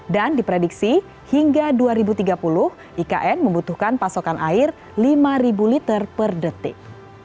dan diprediksi hingga dua ribu tiga puluh ikn membutuhkan pasokan air lima liter per detik